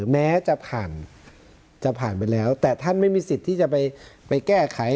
แม้จะผ่านจะผ่านไปแล้วแต่ท่านไม่มีสิทธิ์ที่จะไปแก้ไข